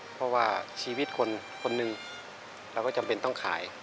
เพราะว่าชีวิตคนคนหนึ่งเราก็จำเป็นต้องขาย